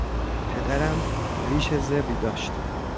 پدرم ریش زبری داشت.